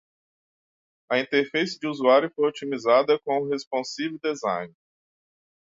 A interface de usuário foi otimizada com Responsive Design.